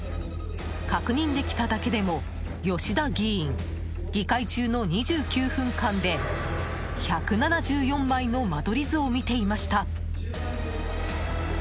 確認できただけでも吉田議員、議会中の２９分間で１７４枚の間取り図を見ていました。